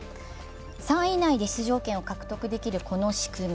３位以内で出場権を獲得できるこの仕組み。